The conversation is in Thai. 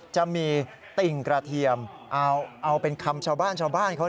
จะมีติ่งกระเทียมเอาเป็นคำชาวบ้าน